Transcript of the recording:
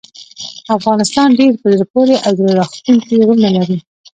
افغانستان ډیر په زړه پورې او زړه راښکونکي غرونه لري.